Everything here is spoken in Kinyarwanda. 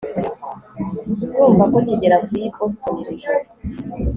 ndumva ko kigeri avuye i boston iri joro